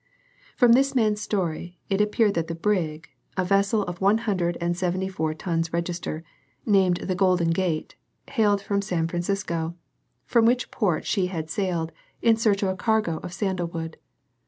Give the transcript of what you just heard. From this man's story it appeared that the brig, a vessel of one hundred and seventy four tons register, named the Golden Gate, hailed from San Francisco, from which port she had sailed in search of a cargo of sandal wood.